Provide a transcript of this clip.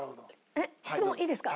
質問いいですか？